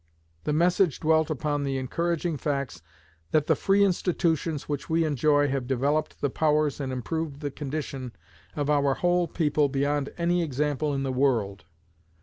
The message dwelt upon the encouraging facts "that the free institutions we enjoy have developed the powers and improved the condition of our whole people beyond any example in the world.